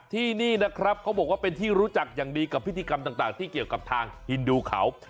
ที่นี่นะครับเขาบอกว่าเป็นที่รู้จักอย่างดีกับพิธีกรรมต่างที่เกี่ยวกับทางฮินดูเขา